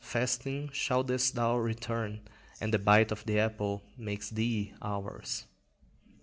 Fasting shouldest thou return: And the bite of the apple makes thee ours!"